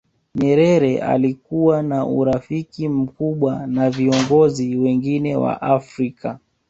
nyerere alikuwa na urafiki mkubwa na viongozi wengine wa afrika